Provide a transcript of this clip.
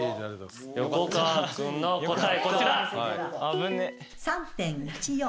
こちら。